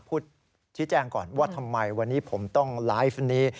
ชี้แจงก่อนว่าทำไมวันนี้ผมต้องไลฟ์นี้